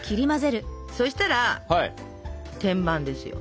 そしたら天板ですよ。